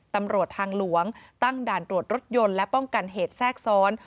ตำรวจทางหลวงตั้งด่านตรวจรถยนต์และป้องกันเหตุแทรกซ้อน